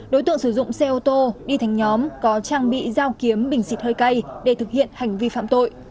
đối tượng sử dụng xe ô tô đi thành nhóm có trang bị dao kiếm bình xịt hơi cay để thực hiện hành vi phạm tội